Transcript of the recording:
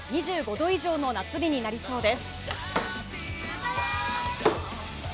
２５度以上の夏日になりそうです。